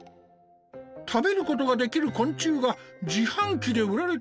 食べることができる昆虫が自販機で売られているの？